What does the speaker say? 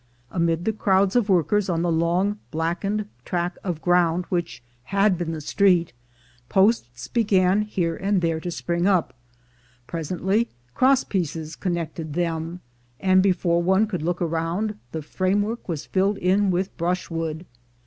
Amid the crowds of workers on the long blackened tract of ground which had been the street, posts began here and there to spring up; presently crosspieces con A CITY BURNED 331 nected them; and before one could look around, the framework was filled in with brushwood.